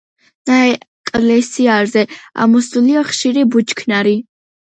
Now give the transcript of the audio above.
ნაეკლესიარზე ამოსულია ხშირი ბუჩქნარი.